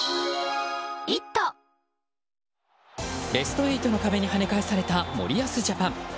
ベスト８の壁にはね返された森保ジャパン。